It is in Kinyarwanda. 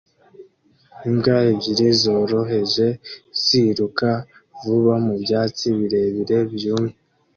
Imbwa ebyiri zoroheje ziruka vuba mu byatsi birebire byumye